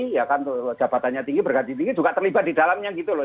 ya kan jabatannya tinggi berganti tinggi juga terlibat di dalamnya gitu loh